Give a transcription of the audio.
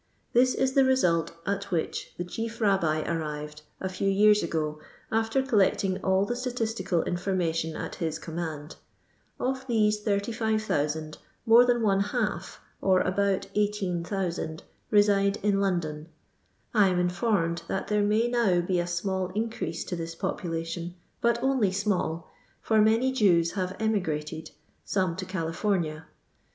This is the result at which the Chief Rabbi arrived a few years ago, after collect ing all the statistical information at his command. Of these 35,000, more than one half, or about 18,000, reside in London. I am informed that there may now be a small increase to this popu lation, but only small, for many Jews have emi grated— some to California.